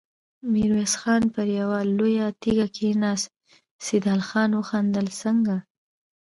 ميرويس خان پر يوه لويه تيږه کېناست، سيدال خان وخندل: څنګه!